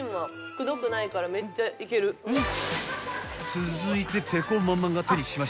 ［続いて］